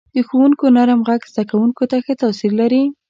• د ښوونکو نرم ږغ زده کوونکو ته ښه تاثیر لري.